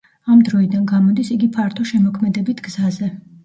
ამ დროიდან გამოდის იგი ფართო შემოქმედებით გზაზე.